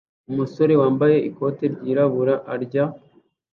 Umusore wambaye ikoti ryirabura arya